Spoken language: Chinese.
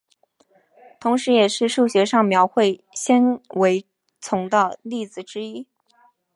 同时也是数学上描绘纤维丛的例子之一。